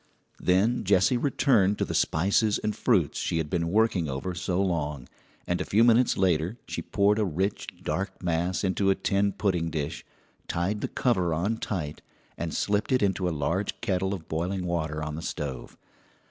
Then Jessie returned to the spices and fruits she had been working over so long, and a few minutes later she poured a rich, dark mass into a tin pudding dish, tied the cover on tight, and slipped it into a large kettle of boiling water on the stove.